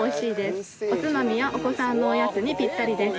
おつまみやお子さんのおやつにピッタリです。